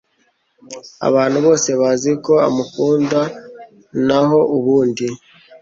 Abantu bose bazi ko amukunda naho ubundi.